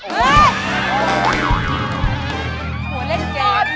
ช่วยไป